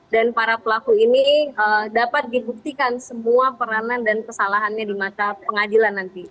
dan para pelaku ini dapat dibuktikan semua peranan dan kesalahannya di mata pengadilan nanti